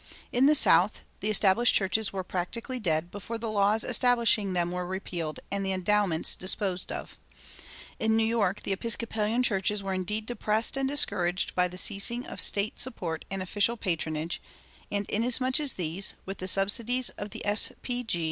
In the South the established churches were practically dead before the laws establishing them were repealed and the endowments disposed of. In New York the Episcopalian churches were indeed depressed and discouraged by the ceasing of State support and official patronage; and inasmuch as these, with the subsidies of the "S. P. G.